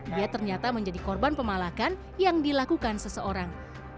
dia ternyata menjadi korban pemalakan yang dilakukan seseorang